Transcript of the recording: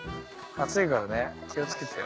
熱いからね気を付けてよ。